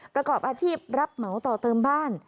ประกอบอาชีพรับเหมาต่อเติมบ้าน